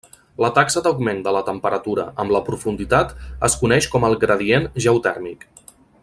La taxa d'augment de la temperatura amb la profunditat es coneix com el gradient geotèrmic.